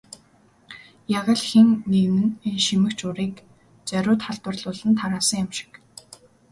Яг л хэн нэг нь энэ шимэгч урыг зориуд халдварлуулан тараасан юм шиг.